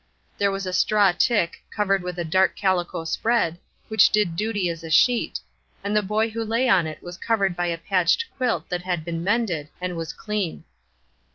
There was a straw tick, covered with a dark calico spread, which did duty as a sheet, and the boy who lay on it was covered by a patched quilt that had been mended, and was clean.